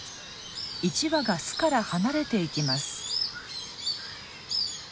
１羽が巣から離れていきます。